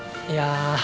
いや。